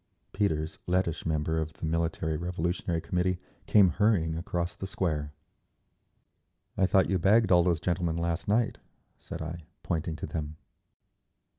Peters, Lettish member of the Military Revolutionary Committee, came hurrying across the Square. "I thought you bagged all those gentlemen last night," said I, pointing to them.